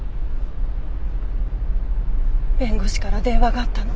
弁護士から電話があったの。